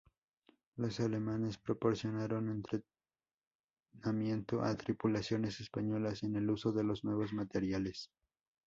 Loa alemanes proporcionaron entrenamiento a tripulaciones españolas en el uso de los nuevos materiales.